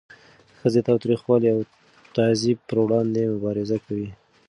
ښځې د تاوتریخوالي او تعذیب پر وړاندې مبارزه کوي.